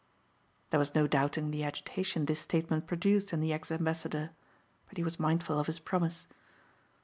There was no doubting the agitation this statement produced in the ex ambassador. But he was mindful of his promise.